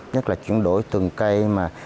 nhất là chuyển đổi từng cây